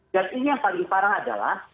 dan ini yang paling parah adalah